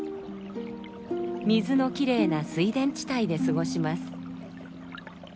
水のきれいな水田地帯で過ごします。